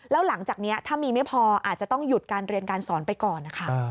แล้วหลังจากนี้ถ้ามีไม่พออาจจะต้องหยุดการเรียนการสอนไปก่อนนะคะ